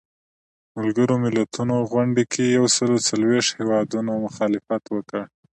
ملګرو ملتونو غونډې کې یو سلو یو څلویښت هیوادونو مخالفت وکړ.